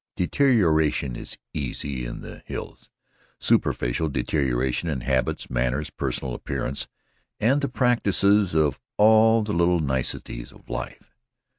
Deterioration is easy in the hills superficial deterioration in habits, manners, personal appearance and the practices of all the little niceties of life.